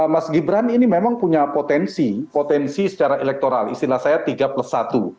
mas gibran ini memang punya potensi potensi secara elektoral istilah saya tiga plus satu